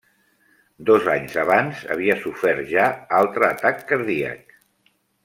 Dos anys abans havia sofert ja altre atac cardíac.